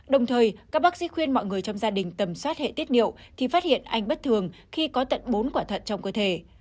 đồng thời các bác sĩ khuyên mọi người trong gia đình tầm soát hệ tiết niệu thì phát hiện anh bất thường khi có tận bốn quả thận trong cơ thể